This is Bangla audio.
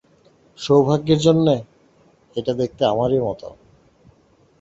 সৌভাগ্যের জন্য, এটা দেখতে আমারই মত।